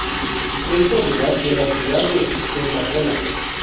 Es propiedad de la ciudad de Pensacola.